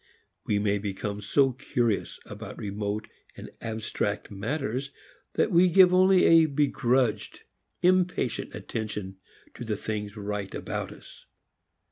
We may become so curious about remote and abstract matters that we give only a begrudged, impatient attention to the things right about us.